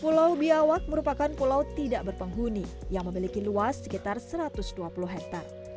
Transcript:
pulau biawak merupakan pulau tidak berpenghuni yang memiliki luas sekitar satu ratus dua puluh hektare